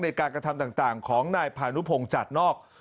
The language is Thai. ในการกระทำต่างของนายพานุพงศ์จัดนอก